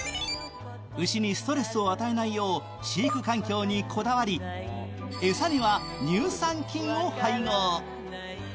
牛にストレスを与えないよう飼育環境にこだわり餌には乳酸菌を配合。